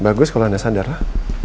bagus kalau anda sadar lah